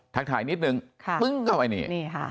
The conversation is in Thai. ทักทายนิดนึงปึ้งเข้าไปนี่